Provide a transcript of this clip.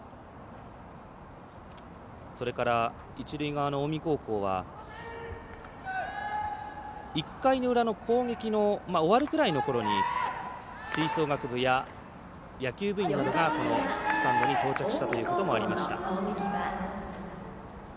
それから、一塁側の近江高校は１回の裏の攻撃の終わるぐらいのころに吹奏楽部や野球部員などがスタンドに到着したということもありました。